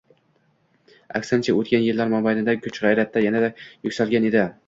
aksincha — o‘tgan yillar mobaynida kuch-g‘ayratda yanada yuksalgan edi.